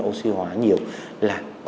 oxy hóa nhiều là